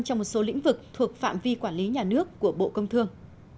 trong một số lĩnh vực thuộc phạm vi quản lý nhà nước của bộ công thương